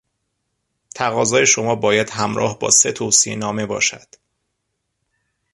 تقاضای شما باید همراه با سه توصیهنامه باشد.